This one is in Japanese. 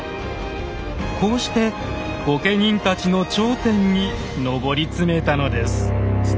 こうして御家人たちの頂点に上り詰めたのです。